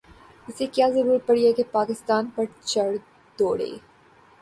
اسے کیا ضرورت پڑی ہے کہ پاکستان پہ چڑھ دوڑے۔